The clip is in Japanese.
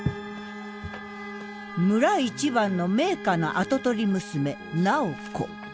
村一番の名家の跡取り娘楠宝子。